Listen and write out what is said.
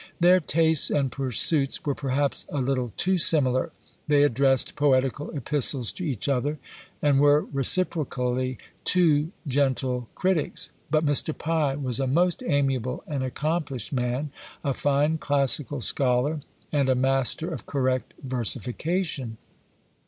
Their tastes and pursuits were perhaps a little too similar. They addressed poetical epistles to each other, and were, reciprocally, too gentle critics. But Mr. Pye was a most amiable and accomplished man, a fine classical scholar, and a master of correct versification.